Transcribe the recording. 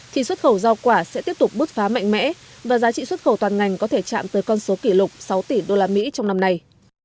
thì xuất khẩu rau quả sẽ tiếp tục bứt phá mạnh mẽ và giá trị xuất khẩu toàn ngành có thể chạm tới con số kỷ lục sáu tỷ usd trong năm nay